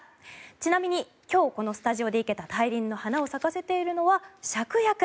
ちなみに今日このスタジオで生けた大輪の花を咲かせているのはシャクヤク。